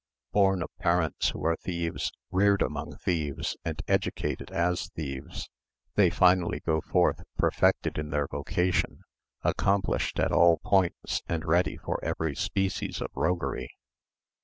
Born of parents who are thieves, reared among thieves, and educated as thieves, they finally go forth perfected in their vocation, accomplished at all points, and ready for every species of roguery.